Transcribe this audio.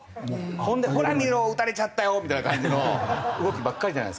ほんで「ほら見ろ！打たれちゃったよ！」みたいな感じの動きばっかりじゃないですか。